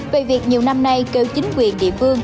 về việc nhiều năm nay kêu chính quyền địa phương